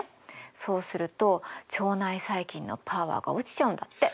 そうすると腸内細菌のパワーが落ちちゃうんだって。